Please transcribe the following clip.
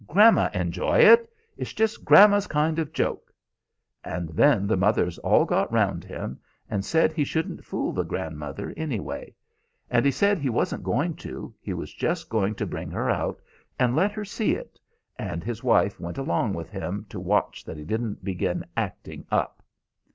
Grandma'll enjoy it. It's just gramma's kind of joke,' and then the mothers all got round him and said he shouldn't fool the grandmother, anyway; and he said he wasn't going to: he was just going to bring her out and let her see it; and his wife went along with him to watch that he didn't begin acting up.